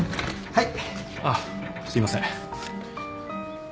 はい。